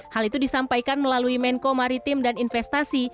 hal itu disampaikan melalui menko maritim dan investasi